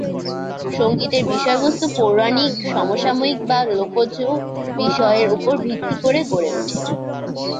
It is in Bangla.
সংগীতের বিষয়বস্তু পৌরাণিক, সমসাময়িক বা লোকজ বিষয়ের উপর ভিত্তি করে গড়ে ওঠে।